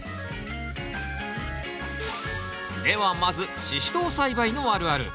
ではまずシシトウ栽培のあるある。